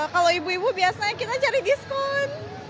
kalau ibu ibu biasanya kita cari diskon